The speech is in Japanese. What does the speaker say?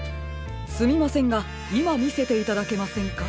すみませんがいまみせていただけませんか？